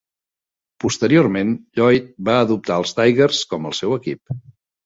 Posteriorment, Lloyd va adoptar els Tigers com el seu equip.